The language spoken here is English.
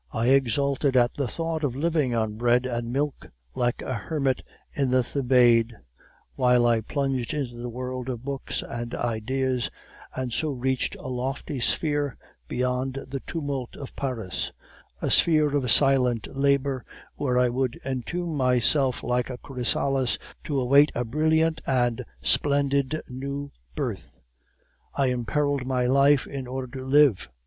I exulted at the thought of living on bread and milk, like a hermit in the Thebaid, while I plunged into the world of books and ideas, and so reached a lofty sphere beyond the tumult of Paris, a sphere of silent labor where I would entomb myself like a chrysalis to await a brilliant and splendid new birth. I imperiled my life in order to live.